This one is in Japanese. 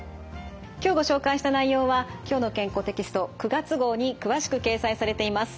今日ご紹介した内容は「きょうの健康」テキスト９月号に詳しく掲載されています。